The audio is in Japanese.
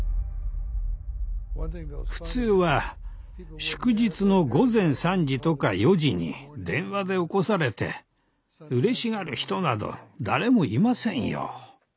普通は祝日の午前３時とか４時に電話で起こされてうれしがる人など誰もいませんよ。